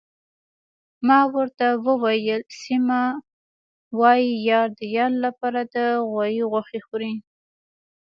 ما ورته وویل: سیمه، وايي یار د یار لپاره د غوايي غوښې خوري.